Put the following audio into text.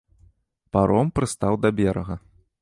Паром прыстаў да берага.